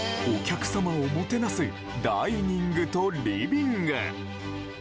お客様をもてなすダイニングとリビング。